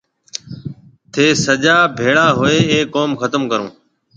ٿَي سجا ڀيڙا هوئي اَي ڪوم ختم ڪرون۔